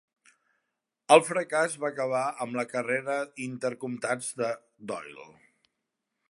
El fracàs va acabar amb la carrera inter-comtats de Doyle.